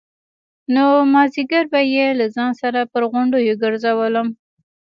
نو مازديگر به يې له ځان سره پر غونډيو گرځولم.